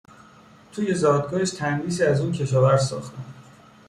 توی زادگاهش تندیسی از اون کشاورز ساختن